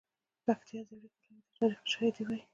د پکتیا زړې کلاوې د تاریخ شاهدي وایي.